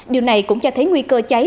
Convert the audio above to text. điều này cũng cho thấy nguy cơ cháy